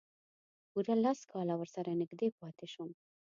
پوره لس کاله ورسره نږدې پاتې شوم.